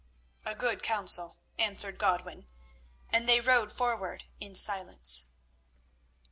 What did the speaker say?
"A good counsel," answered Godwin, and they rode forward in silence.